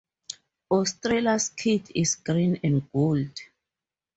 Australia's kit is green and gold.